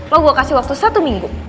lo gue kasih waktu satu minggu